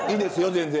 全然。